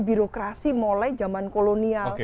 birokrasi mulai zaman kolonial